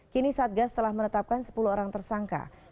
kini satgas telah menetapkan sepuluh orang tersangka